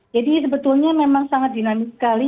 jadi sebetulnya memang sangat dinamik sekali